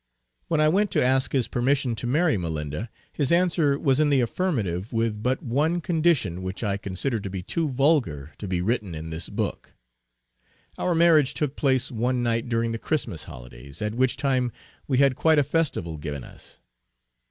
When I went to ask his permission to marry Malinda, his answer was in the affirmative with but one condition which I consider to be too vulgar to be written in this book. Our marriage took place one night during the Christmas holydays; at which time we had quite a festival given us.